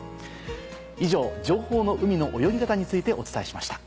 以上「情報の海の泳ぎ方」についてお伝えしました。